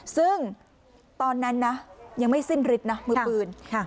ซึ่งตอนนั้นนะยังไม่สิ้นฤทธิ์นะมือปืน